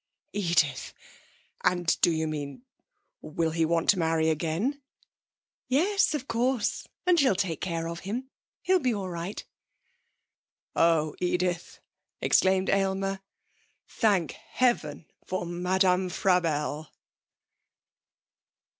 'Edith! And do you mean will he want to marry again?' 'Yes, of course! And she'll take care of him he'll be all right.' 'Oh, Edith!' exclaimed Aylmer. 'Thank heaven for Madame Frabelle!'